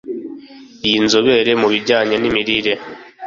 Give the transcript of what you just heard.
Iyi nzobere mu bijyanye n’imirire